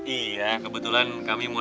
iya kebetulan kami mau dengerin